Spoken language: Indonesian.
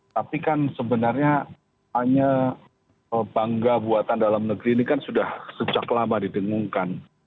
tapi kan sebenarnya hanya bangga buatan dalam negeri ini kan sudah sejak lama didengungkan